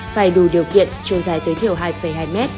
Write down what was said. phải đủ điều kiện chiều dài tối thiểu hai hai m